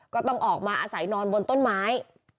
ก็ต้องออกมาอาศัยนอนบนต้นไม้